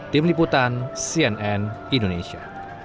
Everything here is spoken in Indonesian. tim liputan cnn indonesia